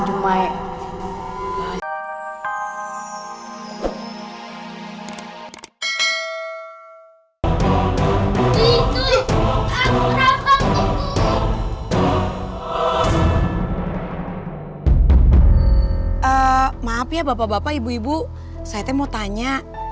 tuh saya mau tanya